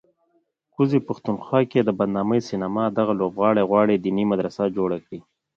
کوزه پښتونخوا کې د بدنامې سینما دغه لوبغاړی غواړي دیني مدرسه جوړه کړي